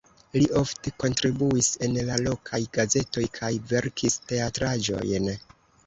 Li ofte kontribuis en la lokaj gazetoj kaj verkis teatraĵojn.